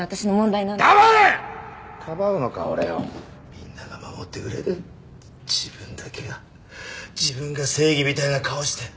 みんなが守ってくれて自分だけが自分が正義みたいな顔して。